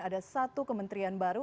ada satu kementerian baru